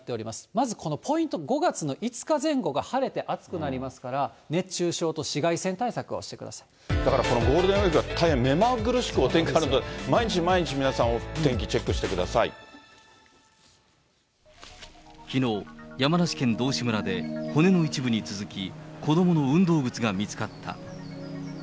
まずこのポイント、５月の５日前後が晴れて暑くなりますから、熱中症と紫外線対策をだからこのゴールデンウィークは、大変、目まぐるしくお天気変わるので、毎日毎日皆さん、きのう、山梨県道志村で、骨の一部に続き、子どもの運動靴が見つかった。